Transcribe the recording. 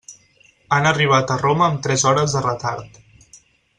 Han arribat a Roma amb tres hores de retard.